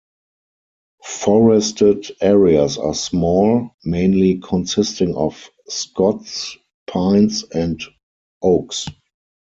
Forested areas are small, mainly consisting of scots pines and oaks.